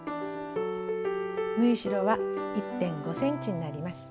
縫い代は１．５ｃｍになります。